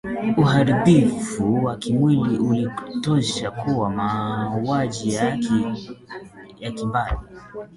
uharibifu wa kimwili ulikuwa unatosha kuwa mauaji ya kimbari